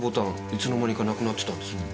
いつの間にかなくなってたんですよ。